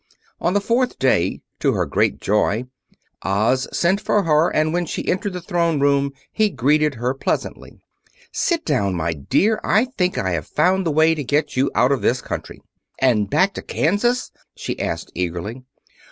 On the fourth day, to her great joy, Oz sent for her, and when she entered the Throne Room he greeted her pleasantly: "Sit down, my dear; I think I have found the way to get you out of this country." "And back to Kansas?" she asked eagerly.